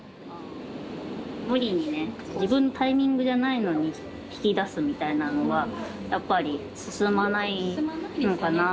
無理にね自分のタイミングじゃないのに引き出すみたいなのはやっぱり進まないのかなって。